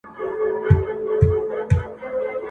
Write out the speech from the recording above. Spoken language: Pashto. له یوه بامه تر بله یې ځغستله !.